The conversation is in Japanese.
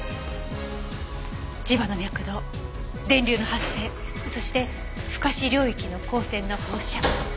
磁場の脈動電流の発生そして不可視領域の光線の放射。